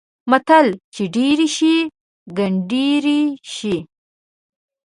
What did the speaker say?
متل: چې ډېر شي؛ ګنډېر شي.